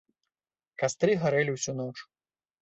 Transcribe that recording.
Кастры гарэлі ўсю ноч.